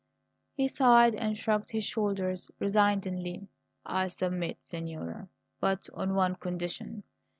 He sighed and shrugged his shoulders resignedly. "I submit, signora; but on one condition.